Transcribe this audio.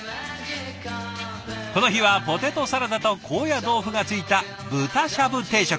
この日はポテトサラダと高野豆腐がついた豚しゃぶ定食。